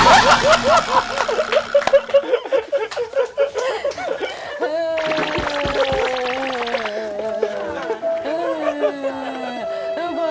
อะไรฮะ